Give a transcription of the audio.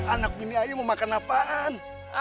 anak bini ayah mau makan apaan